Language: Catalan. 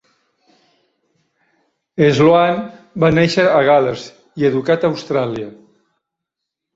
Sloane va néixer a Gales i educat a Austràlia.